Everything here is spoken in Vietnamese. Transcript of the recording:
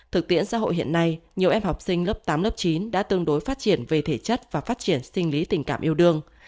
thực tiễn xã hội hiện nay nhiều em học sinh lớp tám lớp chín đã tương đối phát triển về thể chất và phát triển sinh lý tình cảm yêu đương